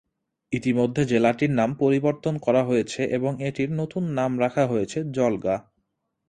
ইতিমধ্যে জেলাটির নাম পরিবর্তন করা হয়েছে এবং এটির নতুন নাম রাখা হয়েছে জলগা।